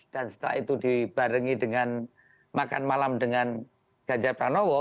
dan setelah itu dibarengi dengan makan malam dengan ganjar pranowo